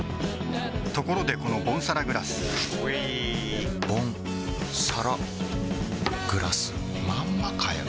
ところでこのボンサラグラスうぃボンサラグラスまんまかよ